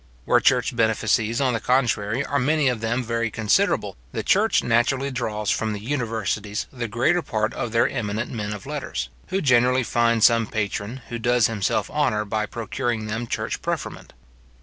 Where church benefices, on the contrary, are many of them very considerable, the church naturally draws from the universities the greater part of their eminent men of letters; who generally find some patron, who does himself honour by procuring them church preferment.